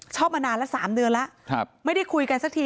มานานแล้ว๓เดือนแล้วไม่ได้คุยกันสักที